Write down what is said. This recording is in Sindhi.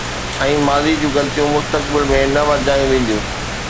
۽ ماضي جون غلطيون مستقبل ۾ نه ورجايون وينديون.